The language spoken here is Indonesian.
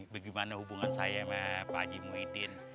bagaimana hubungan saya sama pak haji muhyiddin